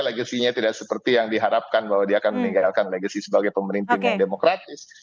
legacy nya tidak seperti yang diharapkan bahwa dia akan meninggalkan legacy sebagai pemimpin yang demokratis